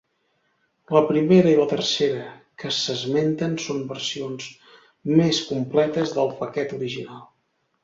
La primera i la tercera que s'esmenten són versions més completes del paquet original.